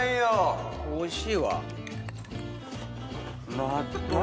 おいしいわ。